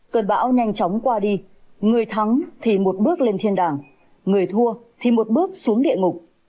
cơn bão nhanh chóng qua đi người thắng thì một bước lên thiên đàng người thua thì một bước xuống địa ngục